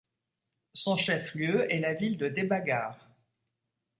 Son chef-lieu est la ville de Debagarh.